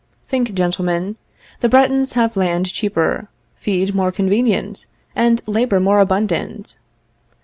Think, gentlemen; the Bretons have land cheaper, feed more convenient, and labor more abundant.